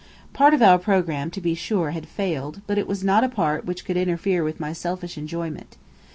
Part of our programme, to be sure, had failed; but it was not a part which could interfere with my selfish enjoyment.